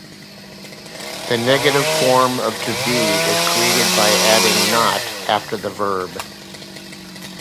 The negative form of "to be" is created by adding "not" after the verb.